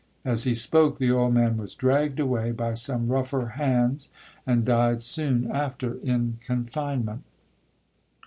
As he spoke, the old man was dragged away by some rougher hands, and died soon after in confinement.